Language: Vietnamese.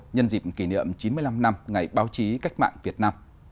nhân dịp kỷ niệm chín mươi năm năm ngày báo chí cách mạng việt nam